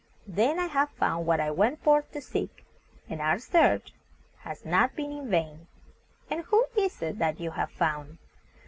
"Then I have found what I went forth to seek, and our search has not been in vain." "And who is it that you have found?"